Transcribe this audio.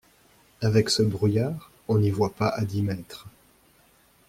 Avec ce brouillard, on n'y voit pas à dix mètres.